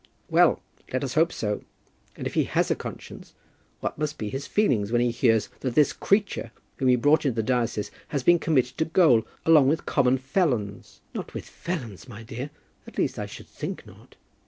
"Well; let us hope so. And if he has a conscience, what must be his feelings when he hears that this creature whom he brought into the diocese has been committed to gaol along with common felons." "Not with felons, my dear; at least, I should think not."